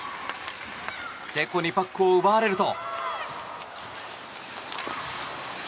チェコにパックを奪われると。